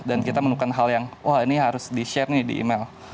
dan kita menemukan hal yang wah ini harus di share nih di email